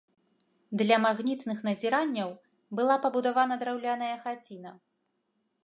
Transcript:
Для магнітных назіранняў была пабудавана драўляная хаціна.